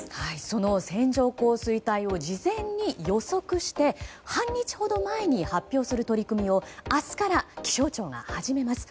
その線状降水帯を事前に予測して半日ほど前に発表する取り組みを明日から気象庁が始めます。